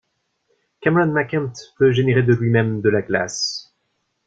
Cameron Mahkent peut générer de lui-même de la glace.